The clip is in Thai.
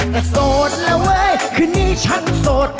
แต่โสดแล้วเว้ยคืนนี้ฉันโสด